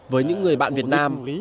với những người bạn việt nam